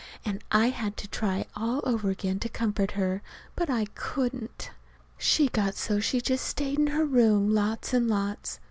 and I had to try all over again to comfort her. But I couldn't. She got so she just stayed in her room lots and lots.